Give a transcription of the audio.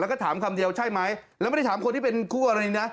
แล้วก็ถามคำเดียวใช่ไหมแล้วไม่ได้ถามคนที่เป็นคู่กรณีนะ